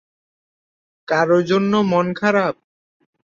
কারো জন্য মন খারাপ?